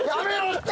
って